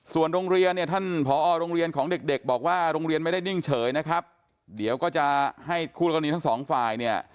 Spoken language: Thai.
ส่วนโรงเรียนเนี่ยท่านผอโรงเรียนของเด็กเด็กบอกว่าโรงเรียนไม่ได้นิ่งเฉยนะครับเดี๋ยวก็จะให้คู่กรณีทั้งสองฝ่ายเนี่ย